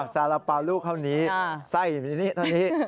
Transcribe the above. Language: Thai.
สระเป๋าลูกเขานี้ไส้นิดเท่านี้